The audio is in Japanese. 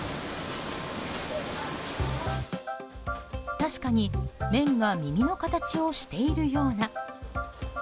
確かに麺が耳の形をしているような。